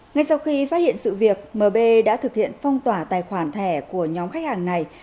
ngay sau khi phát hiện sự việc mb đã thực hiện phong tỏa tài khoản thẻ của nhóm khách hàng này